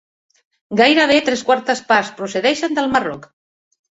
Gairebé tres quartes parts procedeixen del Marroc.